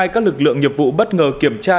các lực lượng nghiệp vụ bất ngờ kiểm tra